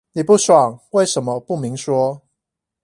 你不爽為什麼不明說？